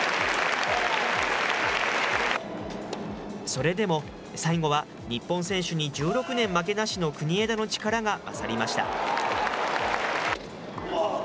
それでも最後は、日本選手に１６年負けなしの国枝の力が勝りました。